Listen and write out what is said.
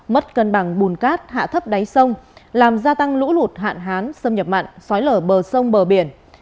mất cân bằng bùn cát hạ thấp đáy sông làm gia tăng lũ lụt hạn hán xâm nhập mặn xói lở bờ sông bờ biển